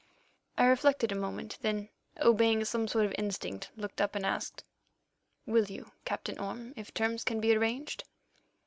I reflected a moment, then, obeying some sort of instinct, looked up and asked: "Will you, Captain Orme, if terms can be arranged?"